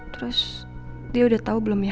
terus dia udah tahu belum ya